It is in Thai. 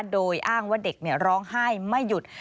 โดยอ้างว่าเด็กร้องไห้ไม่หยุด